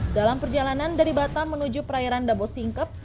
dalam perjalanan dari batam menuju perairan dabo singkep